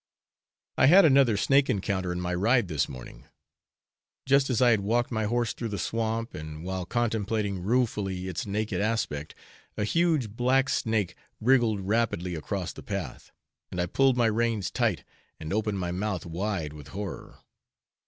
I had another snake encounter in my ride this morning. Just as I had walked my horse through the swamp, and while contemplating ruefully its naked aspect, a huge black snake wriggled rapidly across the path, and I pulled my reins tight and opened my mouth wide with horror.